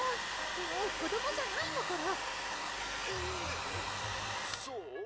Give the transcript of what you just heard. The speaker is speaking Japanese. もう子どもじゃないんだから「えぇ？そう？」